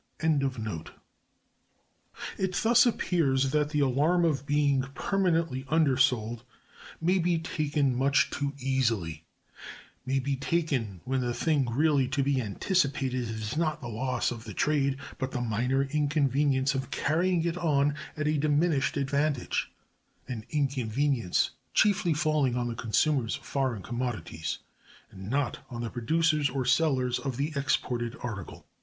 (288) It thus appears that the alarm of being permanently undersold may be taken much too easily; may be taken when the thing really to be anticipated is not the loss of the trade, but the minor inconvenience of carrying it on at a diminished advantage; an inconvenience chiefly falling on the consumers of foreign commodities, and not on the producers or sellers of the exported article.